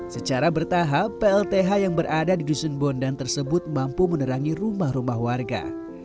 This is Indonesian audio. secara bertahap plth yang berada di dusun bondan tersebut mampu menerangi rumah rumah warga